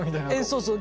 そうそう。